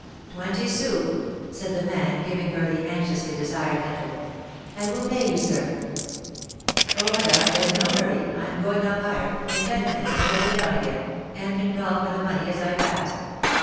"Twenty sous," said the man, giving her the anxiously desired letter. "I will pay you, sir." "Oh, madame, there's no hurry, I am going up higher; in ten minutes I shall be down again, and can call for the money as I pass."